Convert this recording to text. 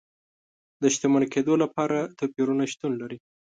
د شتمن کېدو لپاره توپیرونه شتون لري.